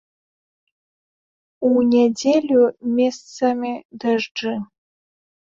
У нядзелю месцамі дажджы.